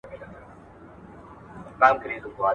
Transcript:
ما وليدې ستا سترګې د اقرار پۀ ارمان مړې شوې